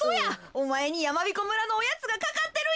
おまえにやまびこ村のおやつがかかってるんや。